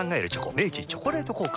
明治「チョコレート効果」